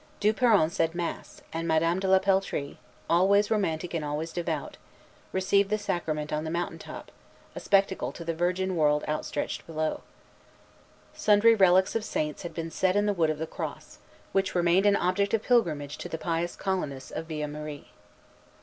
Du Peron said mass; and Madame de la Peltrie, always romantic and always devout, received the sacrament on the mountain top, a spectacle to the virgin world outstretched below. Sundry relics of saints had been set in the wood of the cross, which remained an object of pilgrimage to the pious colonists of Villemarie. Vimont, Relation, 1643, 52, 53.